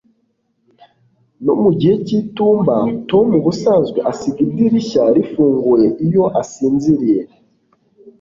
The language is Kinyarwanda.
no mu gihe cy'itumba, tom ubusanzwe asiga idirishya rifunguye iyo asinziriye